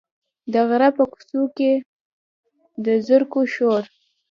د غره په څوکو کې، د زرکو شور،